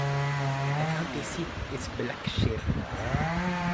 The county seat is Blackshear.